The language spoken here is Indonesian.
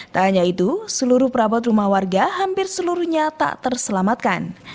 tak hanya itu seluruh perabot rumah warga hampir seluruhnya tak terselamatkan